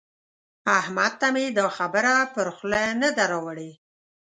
احمد ته مې دا خبره پر خوله نه ده راوړي.